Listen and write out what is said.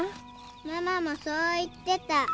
ママもそう言ってた。